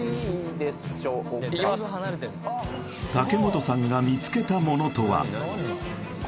茸本さんが見つけたものとは？